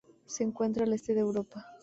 Se encuentra al este de Europa.